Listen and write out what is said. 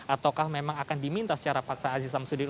ataukah memang akan diminta secara paksa aziz samsudin